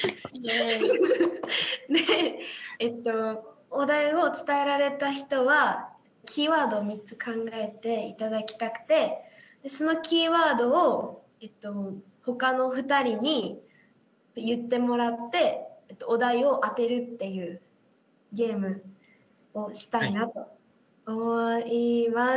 でお題を伝えられた人はキーワードを３つ考えていただきたくてそのキーワードをえっとほかの２人に言ってもらってお題を当てるっていうゲームをしたいなと思います。